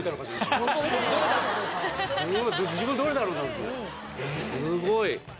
すごい。